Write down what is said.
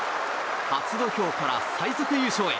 初土俵から最速優勝へ。